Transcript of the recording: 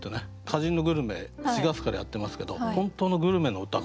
「歌人のグルメ」４月からやってますけど本当のグルメの歌